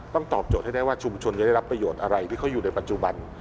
ตอบโจทย์ให้ได้ว่าชุมชนจะได้รับประโยชน์อะไรที่เขาอยู่ในปัจจุบัน